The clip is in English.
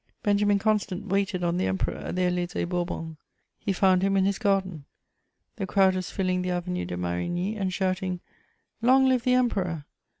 Benjamin Constant waited on the Emperor at the Élysée Bourbon; he found him in his garden. The crowd was filling the Avenue de Marigny and shouting, "Long live the Emperor!"